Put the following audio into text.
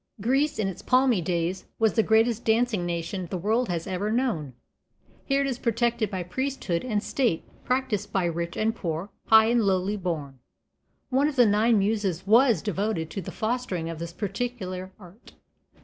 Greece in its palmy days was the greatest dancing nation the world has ever known. Here it was protected by priesthood and state, practiced by rich and poor, high and lowly born. One of the nine muses was devoted to the fostering of this particular art.